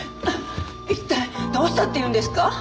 一体どうしたっていうんですか？